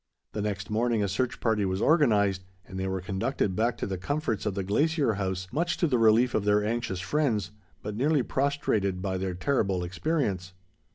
The next morning a search party was organized, and they were conducted back to the comforts of the Glacier House, much to the relief of their anxious friends, but nearly prostrated by their terrible experience.